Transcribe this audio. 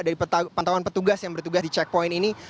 dari pantauan petugas yang bertugas di checkpoint ini